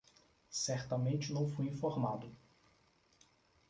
Certamente não fui informado